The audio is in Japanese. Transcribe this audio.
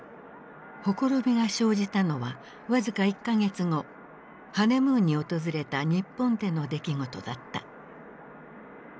ほころびが生じたのは僅か１か月後ハネムーンに訪れた日本での出来事だった。